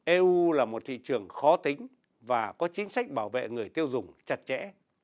eu là một thị trường khó tính và có chính sách bảo vệ người tiêu dùng chặt chẽ